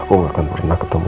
aku gak akan pernah ketemu